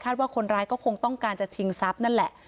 ว่าคนร้ายก็คงต้องการจะชิงทรัพย์นั่นแหละ